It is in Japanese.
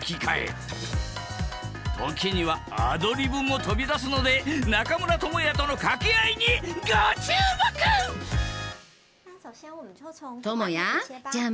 時にはアドリブも飛び出すので中村倫也との掛け合いにご注目トモヤじゃあ